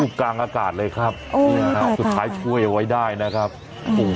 วูบกลางอากาศเลยครับโอ้อากาศสุดท้ายช่วยไว้ได้นะครับอืม